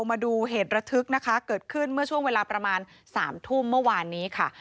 มาดูเหตุระทึกนะคะเกิดขึ้นเมื่อช่วงเวลาประมาณ๓ทุ่มเมื่อวานนี้ค่ะ